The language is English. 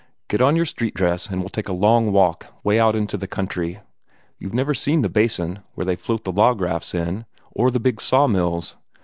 "Get on your street dress, and we'll take a long walk, way out into the country. You've never seen the basin, where they float the log rafts in, or the big sawmills.